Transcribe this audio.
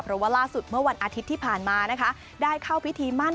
เพราะว่าล่าสุดเมื่อวันอาทิตย์ที่ผ่านมานะคะได้เข้าพิธีมั่น